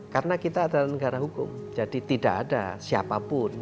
karena kita adalah negara hukum jadi tidak ada siapapun